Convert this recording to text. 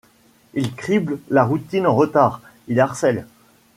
Il crible la routine en retard ; il harcèle